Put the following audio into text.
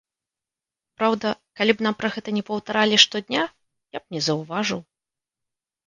Праўда, калі б нам пра гэта не паўтаралі штодня, я б не заўважыў.